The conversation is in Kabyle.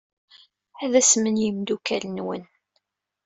Ad asmen yimeddukal-nwen.